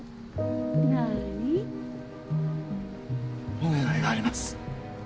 お願いがあります。